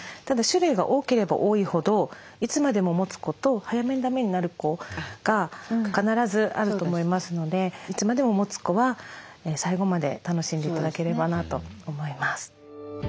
ただ種類が多ければ多いほどいつまでももつ子と早めにだめになる子が必ずあると思いますのでいつまでももつ子は最後まで楽しんで頂ければなと思います。